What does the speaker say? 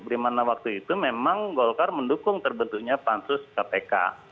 di mana waktu itu memang golkar mendukung terbentuknya pantus kpk